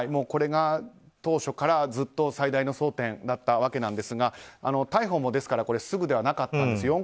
これが当初から、ずっと最大の争点だったわけですが逮捕も、ですからすぐではなかったんです。